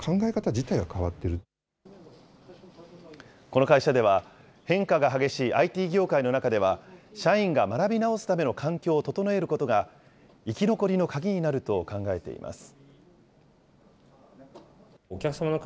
この会社では、変化が激しいＩＴ業界の中では、社員が学び直すための環境を整えることが、生き残りの鍵になると考えています。